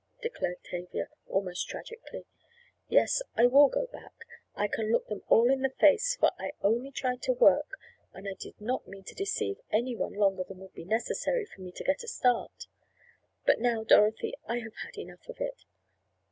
declared Tavia, almost tragically. "Yes, I will go back. I can look them all in the face, for I only tried to work and I did not mean to deceive any one longer than would be necessary for me to get a start. But now, Dorothy, I have had enough of it.